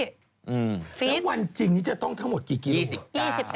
แล้ววันจริงนี้จะต้องทั้งหมดกี่กิโลสิบ